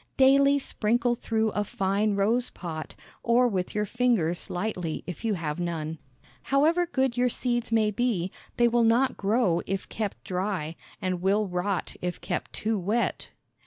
Daily sprinkle through a fine rose pot, or with your fingers lightly if you have none. However good your seeds may be, they will not grow if kept dry, and will rot if kept too wet.